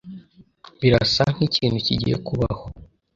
Birasa nkikintu kigiye kubaho.